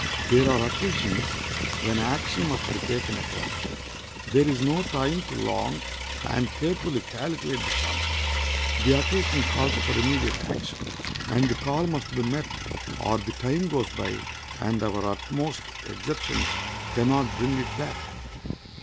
There are occasions when action must be taken at once. There is no time to long and carefully calculate the chances. The occasion calls for immediate action; and the call must be met, or the time goes by, and our utmost exertions can not bring it back.